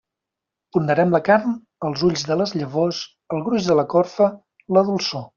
Ponderem la carn, els ulls de les llavors, el gruix de la corfa, la dolçor.